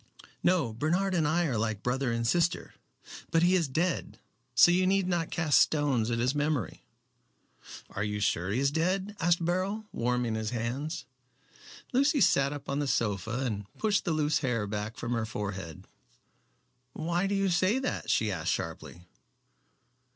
"No. Bernard and I are like brother and sister. But he is dead, so you need not cast stones at his memory." "Are you sure he is dead?" asked Beryl, warming his hands. Lucy sat up on the sofa and pushed the loose hair back from her forehead. "Why do you say that?" she asked sharply.